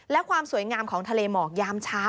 และความสวยงามของทะเลหมอกยามเช้า